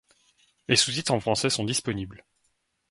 Les sous-titres en Français sont disponibles.